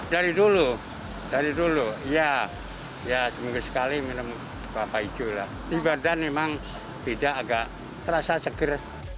dari dulu dari dulu iya ya seminggu sekali minum kelapa hijau ibadah memang tidak agak terasa seger